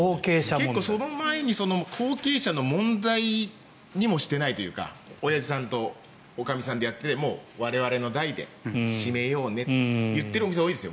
結構その前に、後継者の問題にもしてないというか親父さんとおかみさんでやっていてもう我々の代で閉めようねと言っているお店も多いです。